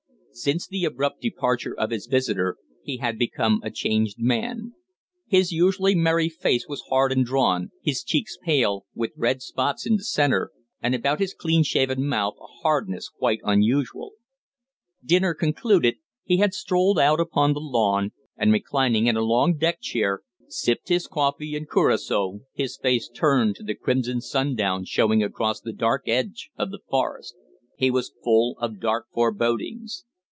Since the abrupt departure of his visitor he had become a changed man. His usually merry face was hard and drawn, his cheeks pale, with red spots in the centre, and about his clean shaven mouth a hardness quite unusual. Dinner concluded, he had strolled out upon the lawn, and, reclining in a long deck chair, sipped his coffee and curaçao, his face turned to the crimson sundown showing across the dark edge of the forest. He was full of dark forebodings.